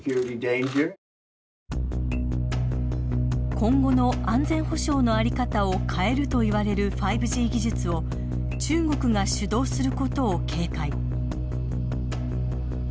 今後の安全保障の在り方を変えるといわれる５Ｇ技術を中国が主導することを警戒。